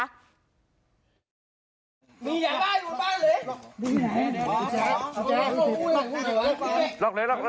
อ่าจ่ายลง